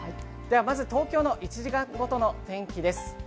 まず東京の１時間ごとの天気です。